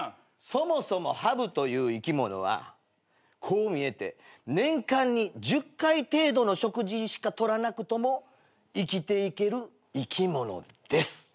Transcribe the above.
そもそもハブという生き物はこう見えて年間に１０回程度の食事しか取らなくとも生きていける生き物です。